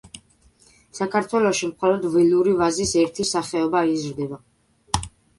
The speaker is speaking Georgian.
საქართველოში მხოლოდ ველური ვაზის ერთი სახეობა იზრდება.